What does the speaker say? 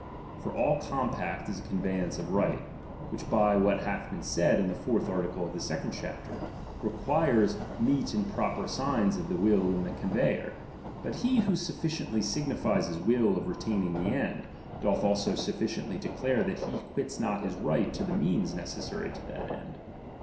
For all compact is a con veyance of right, which by what hath been said in the fourth article of the second chapter, requires meet and proper signs of the will in the conveyer. But he who sufficiently signifies his will of retain ing the end, doth also sufficiently declare that he quits not his right to the means necessary to that end.